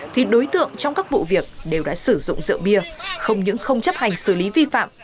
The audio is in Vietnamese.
thì đối tượng trong các vụ việc đều đã sử dụng rượu bia không những không chấp hành xử lý vi phạm